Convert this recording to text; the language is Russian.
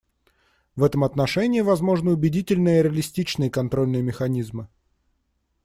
В этом отношении возможны убедительные и реалистичные контрольные механизмы.